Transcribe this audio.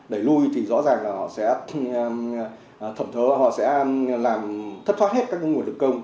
đẩy lui thì rõ ràng là họ sẽ thẩm thơ họ sẽ thất thoát hết các nguồn lực công